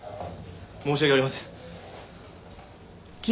申し訳ありません。